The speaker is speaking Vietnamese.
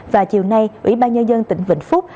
và chiều nay ủy ban nhân dân tỉnh vĩnh phúc